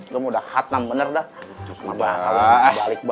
kamu udah hatam bener dah